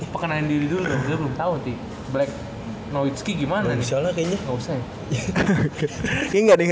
pekenalan diri dulu kan gue belum tau nanti